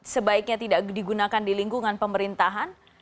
sebaiknya tidak digunakan di lingkungan pemerintahan